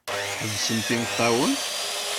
Tḥebsemt imeṭṭawen.